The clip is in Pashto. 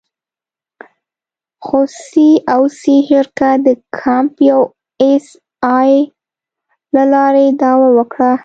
خو سي او سي شرکت د کمپ یو اس اې له لارې دعوه وکړه.